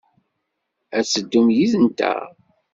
Ad teddum yid-nteɣ?